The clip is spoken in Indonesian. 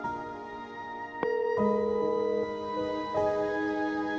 nah dua anderen epok kyknya